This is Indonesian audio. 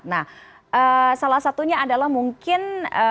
nah salah satunya adalah mungkin